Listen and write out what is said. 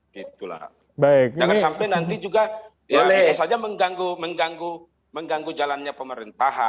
jangan sampai nanti juga mengganggu jalannya pemerintahan